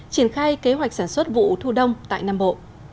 triển khai kế hoạch sản xuất vụ thu đông tại nam bộ